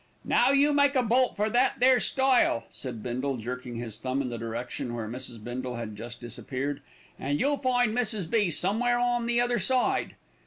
"Now you make a bolt for that there stile," said Bindle, jerking his thumb in the direction where Mrs. Bindle had just disappeared, "and you'll find Mrs. B. somewhere on the other side."